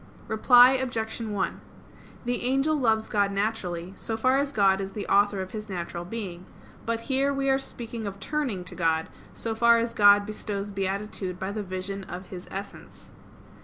Reply Obj. 1: The angel loves God naturally, so far as God is the author of his natural being. But here we are speaking of turning to God, so far as God bestows beatitude by the vision of His essence.